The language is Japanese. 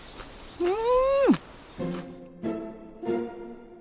うん。